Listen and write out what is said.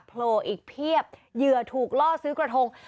โผล่อีกเพียบเหยื่อถูกล่อซื้อกระทง